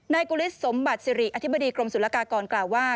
กุฤษสมบัติสิริอธิบดีกรมศุลกากรกล่าวว่า